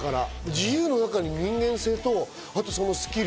自由の中に人間性とスキル。